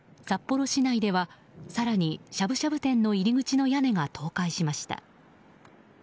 札幌市内では更に、しゃぶしゃぶ店の入り口の屋根が倒壊しました。